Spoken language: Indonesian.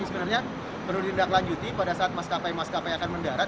ini sebenarnya perlu dindak lanjuti pada saat maskapai maskapai akan mendarat